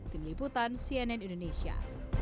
tim liputan cnn indonesia